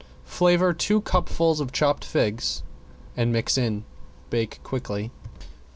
Flavor two cupfuls of chopped figs and mix in. Bake quickly.